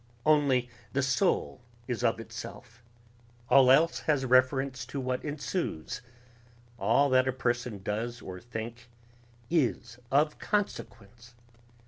Only the soul is of itself ... all else has reference to what ensues. All that a person does or thinks is of consequence.